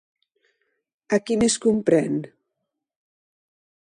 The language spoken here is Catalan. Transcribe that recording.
A qui més comprèn?